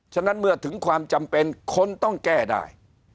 ฉะนั้นเมื่อถึงความจำเป็นคนต้องแก้ได้